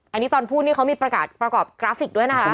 อันนี้ตอนพูดนี่เขามีประกาศประกอบกราฟิกด้วยนะคะ